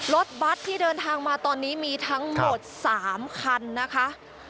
รถบัตรที่เดินทางมาตอนนี้มีทั้งหมด๓คันนะคะ